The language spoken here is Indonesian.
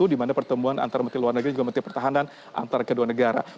di mana pertemuan antara menteri luar negeri juga menteri pertahanan antar kedua negara